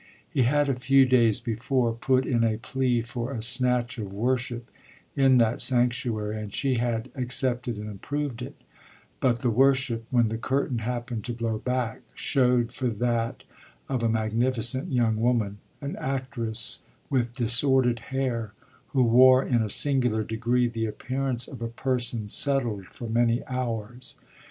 He had a few days before put in a plea for a snatch of worship in that sanctuary and she had accepted and approved it; but the worship, when the curtain happened to blow back, showed for that of a magnificent young woman, an actress with disordered hair, who wore in a singular degree the appearance of a person settled for many hours.